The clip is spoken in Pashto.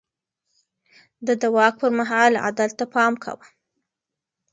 ده د واک پر مهال عدل ته پام کاوه.